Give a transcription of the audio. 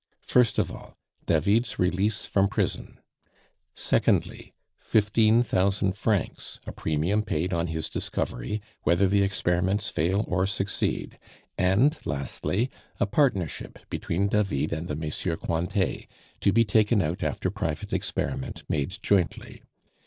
First of all, David's release from prison; secondly, fifteen thousand francs, a premium paid on his discovery, whether the experiments fail or succeed; and lastly, a partnership between David and the MM. Cointet, to be taken out after private experiment made jointly.